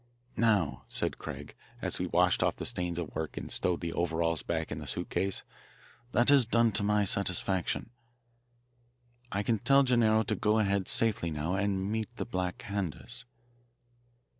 "Now," said Craig, as we washed off the stains of work and stowed the overalls back in the suitcase, "that is done to my satisfaction. I can tell Gennaro to go ahead safely now and meet the Black Handers."